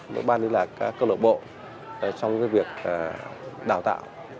với ban liên lạc các cơ lộc bộ trong cái việc đào tạo